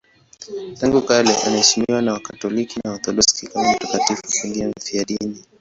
Tangu kale anaheshimiwa na Wakatoliki na Waorthodoksi kama mtakatifu, pengine mfiadini.